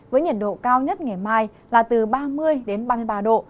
với nhiệt độ cao nhất ngày mai là từ ba mươi đến ba mươi ba độ